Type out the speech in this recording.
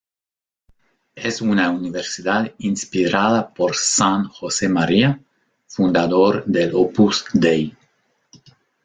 Es una universidad inspirada por San Josemaría, fundador del Opus Dei.